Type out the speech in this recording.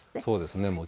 そうですね。